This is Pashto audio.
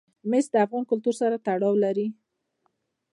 مس د افغان کلتور سره تړاو لري.